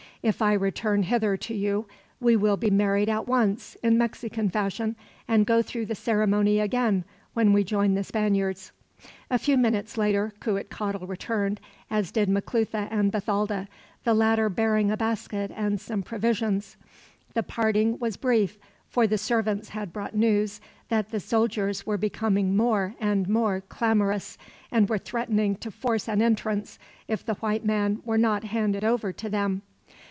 If I return hither to you, we will be married at once, in Mexican fashion, and go through the ceremony again, when we join the Spaniards." A few minutes later Cuitcatl returned, as did Maclutha and Bathalda, the latter bearing a basket with some provisions. The parting was brief, for the servants had brought news that the soldiers were becoming more and more clamorous; and were threatening to force an entrance, if the white man were not handed over to them.